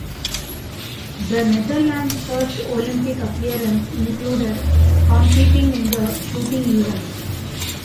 The Netherlands' first Olympic appearance included competing in the shooting events.